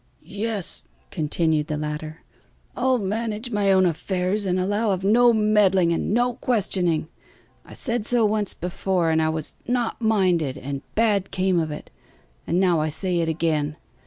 "Yes," continued the latter, "I'll manage my own affairs, and allow of no meddling and no questioning. I said so once before, and I was not minded and bad came of it; and now I say it again.